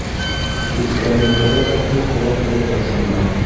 Һиҫкәнеңкерәп, күҙ-ҡолаҡ булып ятһындар.